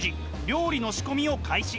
料理の仕込みを開始。